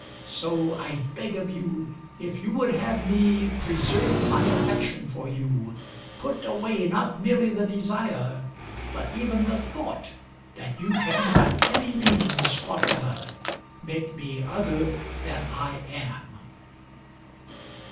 So I beg of you, if you would have me preserve my affection for you, put away not merely the desire but even the thought that you can by any means whatever make me other than I am."